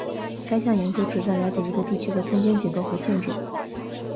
这项研究旨在了解一个地区的空间结构和性质。